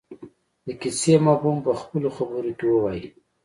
د کیسې مفهوم په خپلو خبرو کې ووايي.